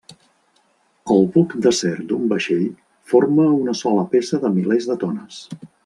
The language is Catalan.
El buc d'acer d'un vaixell forma una sola peça de milers de tones.